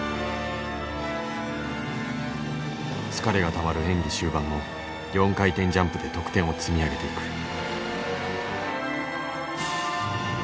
疲れがたまる演技終盤も４回転ジャンプで得点を積み上げていく。